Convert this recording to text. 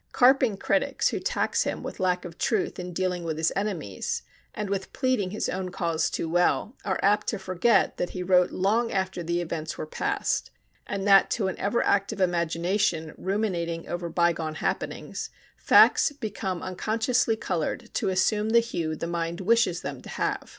Carping critics who tax him with lack of truth in dealing with his enemies, and with pleading his own cause too well, are apt to forget that he wrote long after the events were past, and that to an ever active imagination ruminating over bygone happenings, facts become unconsciously colored to assume the hue the mind wishes them to have.